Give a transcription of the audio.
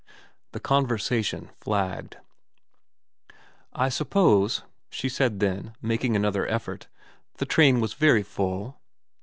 The conversation flagged. *I suppose,' she then said, making another effort, ' the train was very full.'